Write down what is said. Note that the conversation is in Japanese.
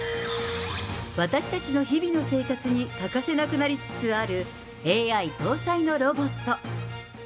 私たちの日々の生活に欠かせなくなりつつある、ＡＩ搭載のロボット。